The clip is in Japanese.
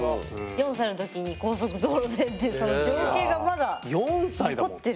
４歳の時に高速道路でっていうその情景がまだ残ってる。